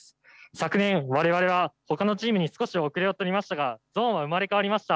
昨年我々はほかのチームに少し後れを取りましたがＺ−ｏｎｅは生まれ変わりました。